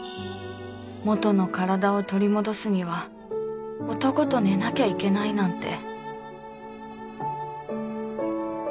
元の体を取り戻すには男と寝なきゃいけないなんて